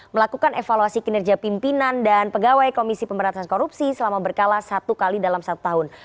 melakukan evaluasi kinerja pimpinan dan pegawai komisi pemberantasan korupsi selama berkala satu kali dalam satu tahun